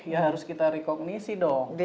ya harus kita rekognisi dong